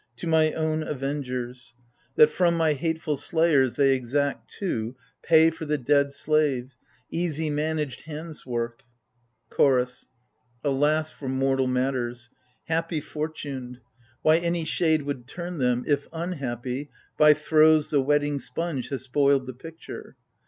— to my own avengers — in AGAMEMNON. That from my hateful slayers they exact too Pay for the dead slave — easy managed hand's work ! CHOROS. Alas for mortal matters ! Happy fortuned, — Why, any shade would turn them : if unhappy. By throws the wetting sponge has spoiled the picture